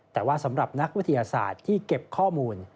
แต่ว่าสำหรับนักวิทยาศาสตร์ที่เก็บข้อมูล